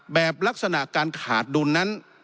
แบบลักษณะการขาดดุลนั้น